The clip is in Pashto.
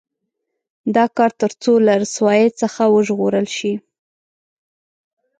دا کار تر څو له رسوایۍ څخه وژغورل شي.